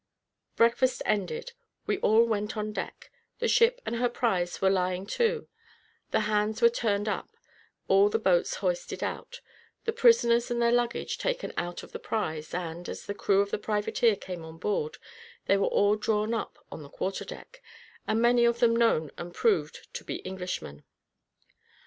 Breakfast ended, we all went on deck; the ship and her prize were lying to; the hands were turned up; all the boats hoisted out; the prisoners and their luggage taken out of the prize, and, as the crew of the privateer came on board, they were all drawn up on the quarter deck, and many of them known and proved to be Englishmen.